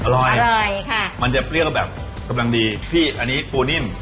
อร่อยอร่อยค่ะมันจะเปรี้ยวแบบกำลังดีพี่อันนี้ปูนิ่ม